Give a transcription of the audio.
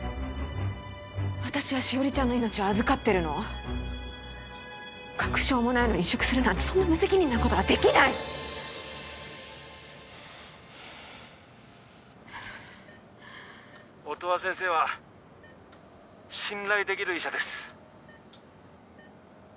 私は汐里ちゃんの命を預かってるの確証もないのに移植するなんてそんな無責任なことはできない音羽先生は信頼できる医者です